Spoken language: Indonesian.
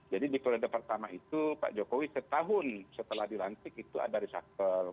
jadi di periode pertama itu pak jokowi setahun setelah dilancik itu ada reshuffle